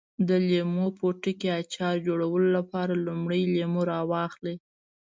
د لیمو پوټکي اچار جوړولو لپاره لومړی لیمو راواخلئ.